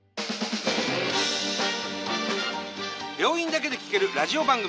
病院だけで聴けるラジオ番組。